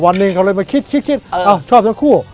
วันหนึ่งเขาเลยมาคิดคิดชอบทั้งคู่